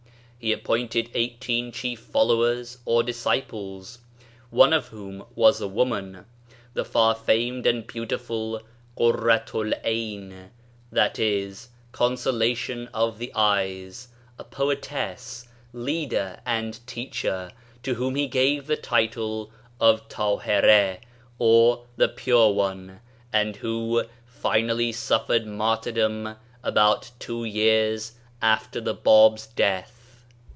He appointed eighteen chief followers or disciples, one of whom was a woman, the far famed and beautiful Kurru t' ul Ayn (i.e. Consolation of the Eyes) a poetess, leader, and teacher, to whom he gave the title of Tahereh, or the Pure One, and who finally suff ered martyrdom about two years after the Bab's death.